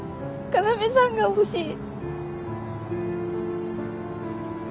要さんが欲しい。